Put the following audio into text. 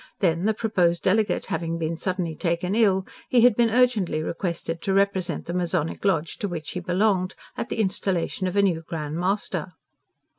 Then, the proposed delegate having been suddenly taken ill, he had been urgently requested to represent the Masonic Lodge to which he belonged, at the Installation of a new Grand Master.